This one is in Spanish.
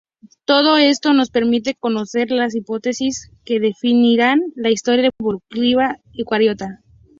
Todo esto nos permite conocer las hipótesis que definirían la historia evolutiva eucariota.